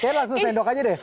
saya langsung sendok aja deh